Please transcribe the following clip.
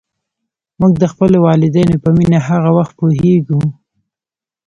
موږ د خپلو والدینو په مینه هغه وخت پوهېږو.